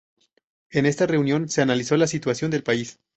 En esta reunión se analizó la situación del país.